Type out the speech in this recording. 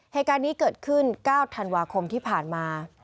เหตุการณ์นี้เกิดขึ้น๙ธันวาคมที่ผ่านมา